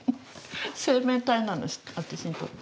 生命体なんです私にとって。